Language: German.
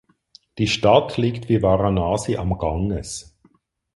Die Stadt liegt wie Varanasi am Ganges.